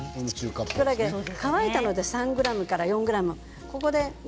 乾いたもので３ｇから４ｇです。